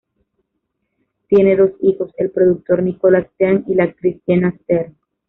Tiene dos hijos, el productor Nicolas Stern y la actriz Jenna Stern.